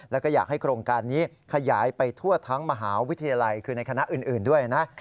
แล้วก็อยากให้โครงการนี้ขยายไปทั่วทั้งมหาวิทยาลัยคือในคณะอื่นด้วยนะ